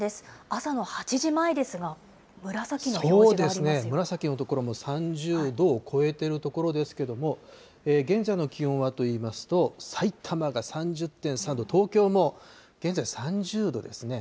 朝の８時前ですが、紫の所も、３０度を超えている所ですけども、現在の気温はといいますと、さいたまが３０．３度、東京も現在、３０度ですね。